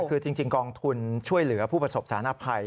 คือจริงกองทุนช่วยเหลือผู้ประสบสารภัย